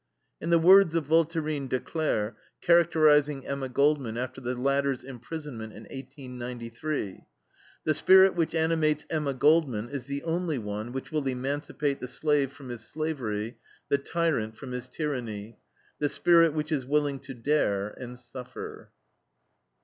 In the words of Voltairine de Cleyre, characterizing Emma Goldman after the latter's imprisonment in 1893: The spirit that animates Emma Goldman is the only one which will emancipate the slave from his slavery, the tyrant from his tyranny the spirit which is willing to dare and suffer.